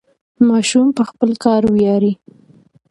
ماشوم په خپل کار ویاړي.